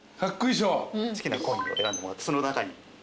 好きなコインを選んでもらってその中に。